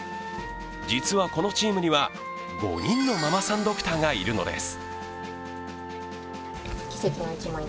実はこのチームには５人のママさんドクターがいるのです。